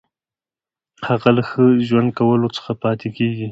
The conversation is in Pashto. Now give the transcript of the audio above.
هغه له ښه ژوند کولو څخه پاتې کیږي.